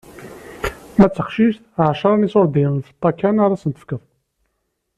Ma d taqcict ɛecṛa n iṣurdiyen n lfeṭṭa kan ara s-tefkeḍ.